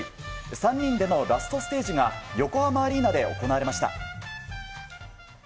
３人でのラストステージが、横浜アリーナで行われました。